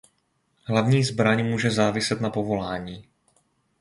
Hlavní zbraň může záviset na povolání.